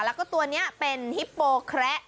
แล้วก็ตัวนี้เป็นฮิปโปแคระ